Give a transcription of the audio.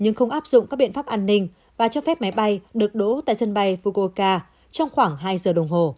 nhưng không áp dụng các biện pháp an ninh và cho phép máy bay được đổ tại sân bay fukoka trong khoảng hai giờ đồng hồ